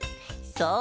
そう！